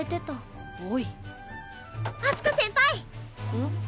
うん？